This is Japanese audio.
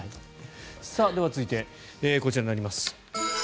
では続いてこちらになります。